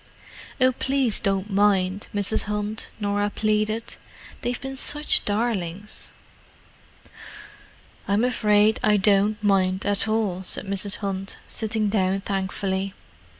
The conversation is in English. "Oh, please don't mind, Mrs. Hunt," Norah pleaded. "They've been such darlings!" "I'm afraid I don't mind at all," said Mrs. Hunt, sitting down thankfully.